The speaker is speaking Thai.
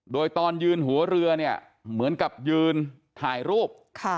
โดยตอนยืนหัวเรือเนี่ยเหมือนกับยืนถ่ายรูป